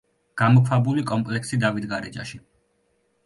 გამოქვაბული კომპლექსი დავითგარეჯაში.